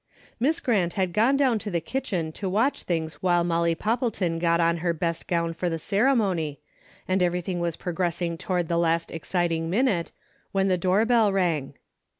Miss Grant had gone down to the kitchen to watch things while Molly Poppleton got on her best gown for the ceremony, and every thing was progressing toward the last excit ing minute, when the doorbell rang.